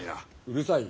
うるさい？